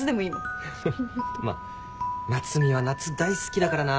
まあ夏海は夏大好きだからな。